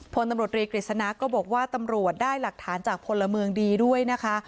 พลตำรวจรีกฤษณะก็บอกว่าตำรวจได้หลักฐานจากพลเมืองดีด้วยนะคะ